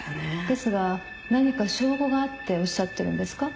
ですが何か証拠があっておっしゃってるんですか？